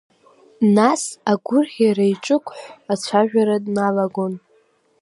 Нас агәырӷьара иҿықәҳәҳә ацәажәара дналагон.